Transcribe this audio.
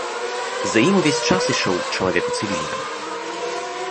За ім увесь час ішоў чалавек у цывільным.